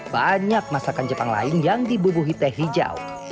banyak masakan jepang lain yang dibubuhi teh hijau